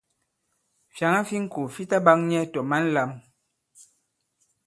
Fyàŋa fi ŋko fi ta ɓak nyɛ tɔ̀ mǎn lām.